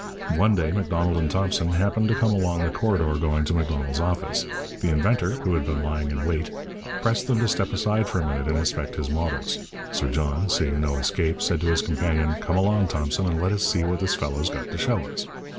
One day Macdonald and Thompson happened to come along the corridor going to Macdonald's office. The inventor, who had been lying in wait, pressed them to step aside for a minute and inspect his models. Sir John, seeing no escape, said to his companion, 'Come along, Thompson, and let us see what this fellow's got to show us.'